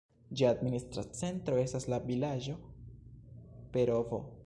Ĝia administra centro estas la vilaĝo Perovo.